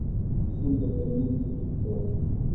Sunt dependentă de pictură.